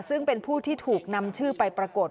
ซึ่งเป็นผู้ที่ถูกนำชื่อไปปรากฏ